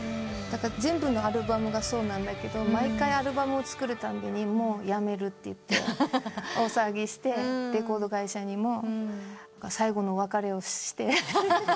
だから全部のアルバムがそうなんだけど毎回アルバムを作るたんびに「もうやめる」って言って大騒ぎしてレコード会社にも最後のお別れをして。